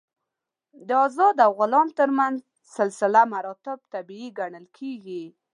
د آزاد او غلام تر منځ سلسله مراتبو طبیعي ګڼل کېږي.